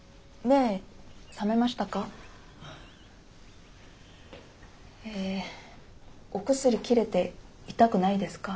えぇお薬切れて痛くないですか？